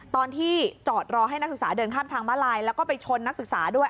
ตอนที่จอดรอให้นักศึกษาเดินข้ามทางมาลายแล้วก็ไปชนนักศึกษาด้วย